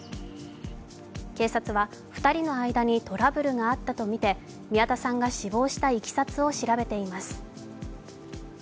警察は２人の間にトラブルがあったとみて宮田さんが死亡したいきさつを調べています。